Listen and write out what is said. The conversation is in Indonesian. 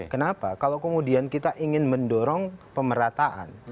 kenapa kalau kemudian kita ingin mendorong pemerataan